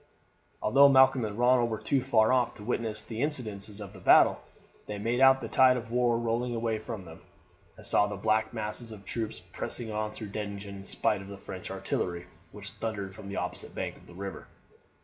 Although Malcolm and Ronald were too far off to witness the incidents of the battle, they made out the tide of war rolling away from them, and saw the black masses of troops pressing on through Dettingen in spite of the French artillery which thundered from the opposite bank of the river.